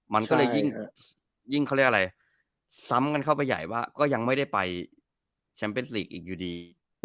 มันก็เลยยิ่งเขาเรียกอะไรซ้ำกันเข้าไปใหญ่ว่าก็ยังไม่ได้ไปแชมป์เป็นลีกอีกอยู่ดี